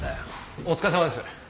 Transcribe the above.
お疲れさまです。